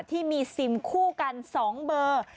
ที่มีซิมคู่กัน๒เบอร์